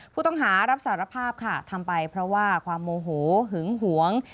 ผู้ต้องหารับสารภาพค่ะทำไปเพราะว่าความโมโหหึงหวง